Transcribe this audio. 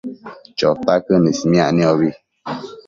Chotaquën ismiac niombi